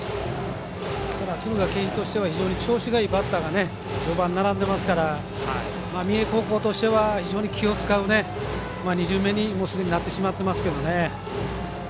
敦賀気比としては非常に調子のいいバッターが序盤、並んでますから三重高校としては非常に気を使う２巡目に、すでになってしまっていますけどね。